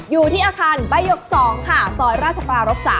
อยู่ที่อาคารบายก๒ค่ะซอยราชปรารบ๓